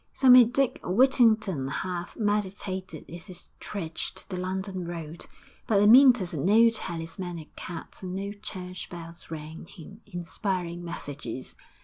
So may Dick Whittington have meditated as he trudged the London road, but Amyntas had no talismanic cat and no church bells rang him inspiring messages.